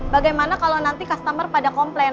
bagaimana kalau nanti customer pada komplain